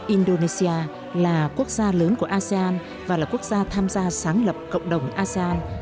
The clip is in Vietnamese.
indonesia là quốc gia lớn của asean và là quốc gia tham gia sáng lập cộng đồng asean